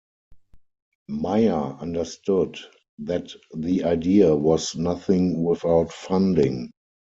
Meyer understood that the idea was nothing without funding.